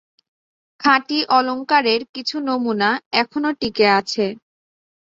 খাঁটি অলঙ্কারের কিছু নমুনা এখনও টিকে আছে।